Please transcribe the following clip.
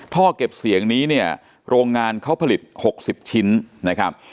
ท่อเก็บเสียงนี้เนี่ยโรงงานเขาผลิต๖๐ชิ้นนะครับ